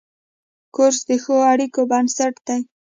کورس د ښو اړیکو بنسټ دی.